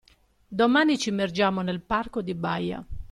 Domani ci immergiamo nel parco di Baia